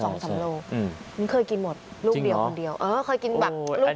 นี่เคยกินหมดลูกเดียวคนเดียวเคยกินแบบ๑๕๐๐กิโลกรัม